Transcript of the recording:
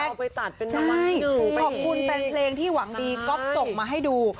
เอาไปตัดเป็นรางวัลที่๑ขอบคุณแผนเพลงที่หวังดีก็ส่งมาให้ดู